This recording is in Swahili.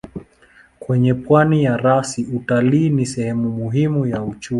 Kwenye pwani ya rasi utalii ni sehemu muhimu ya uchumi.